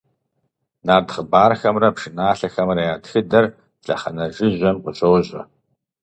Нарт хъыбархэмрэ пшыналъэхэмрэ я тхыдэр лъэхъэнэ жыжьэм къыщожьэ.